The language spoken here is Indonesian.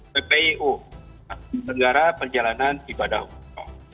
bpu tenggara perjalanan ibadah umroh